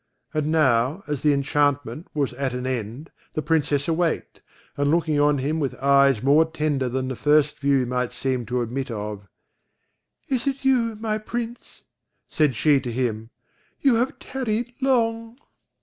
And now, as the inchantment was at an end, the Princess awaked, and looking on him with eyes more tender than the first view might seem to admit of: "Is it you, my Prince," said she to him, "you have tarried long."